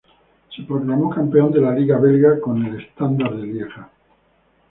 Se proclamó campeón de la Liga belga con el Standard de Lieja.